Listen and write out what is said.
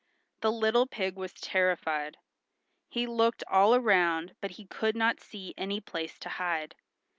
The little pig was terrified. He looked all around but he could not see any place to hide.